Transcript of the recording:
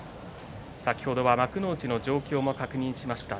先ほどは幕内の状況も確認しました。